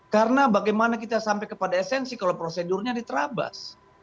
karena bagaimana kita sampai kepada esensi kalau prosedurnya diterabas